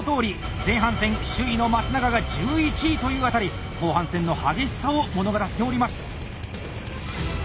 前半戦首位の松永が１１位というあたり後半戦の激しさを物語っております。